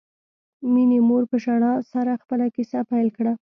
مينې مور په ژړا سره خپله کیسه پیل کړه